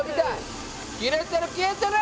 切れてる切れてる！